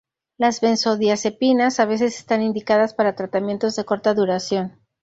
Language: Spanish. Las benzodiazepinas a veces están indicadas para tratamientos de corta duración.